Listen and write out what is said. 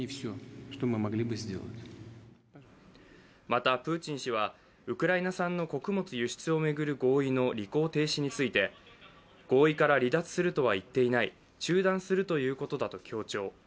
また、プーチン氏はウクライナ産の穀物輸出を巡る合意の履行停止について、合意から離脱するとは言っていない、中断するということだと強調。